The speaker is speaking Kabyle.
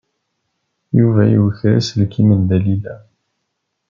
Yuba yuker aselkim n Dalila.